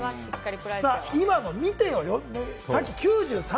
今のを見てよ？